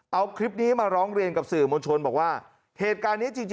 เอาคลิปนี้มาร้องเรียนกับสื่อมวลชนบอกว่าเหตุการณ์นี้จริง